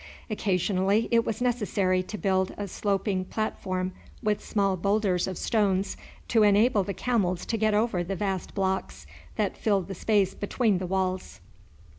Occasionally it was necessary to build a sloping platform with small boulders of stones to enable the camels to get over the vast blocks that filled the space between the walls.